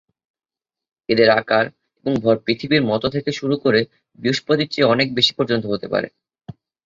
এদের আকার এবং ভর পৃথিবীর মত থেকে শুরু করে বৃহস্পতির চেয়ে অনেক বেশি পর্যন্ত হতে পারে।